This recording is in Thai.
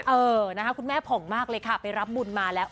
เออนะคะคุณแม่ผ่องมากเลยค่ะไปรับบุญมาแล้ว